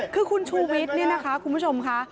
คือคุณชูวิทย์เนี่ยนะคะคุณผู้ชมค่ะ